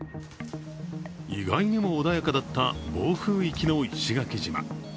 意外にも穏やかだった暴風域の石垣島。